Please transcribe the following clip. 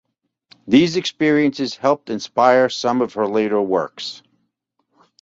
These experiences helped inspire some of her later works.